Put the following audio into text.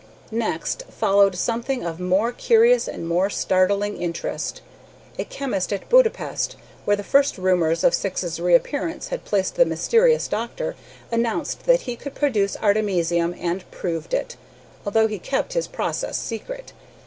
Next followed something of more curious and even startling interest. A chemist at Budapest, where the first rumors of Syx's reappearance had placed the mysterious doctor, announced that he could produce artemisium, and proved it, although he kept his process secret.